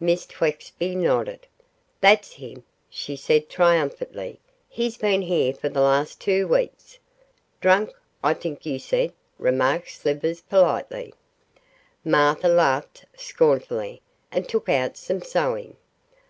Miss Twexby nodded. 'That's him,' she said, triumphantly, 'he's been here for the last two weeks.' 'Drunk, I think you said,' remarked Slivers, politely. Martha laughed scornfully, and took out some sewing.